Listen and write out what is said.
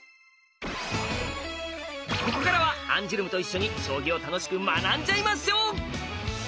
ここからはアンジュルムと一緒に将棋を楽しく学んじゃいましょう！